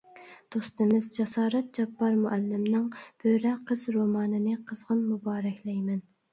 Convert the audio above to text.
دوستىمىز جاسارەت جاپپار مۇئەللىمنىڭ «بۆرە قىز» رومانىنى قىزغىن مۇبارەكلەيمەن.